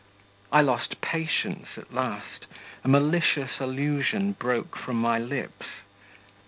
I lost patience at last; a malicious allusion broke from my lips....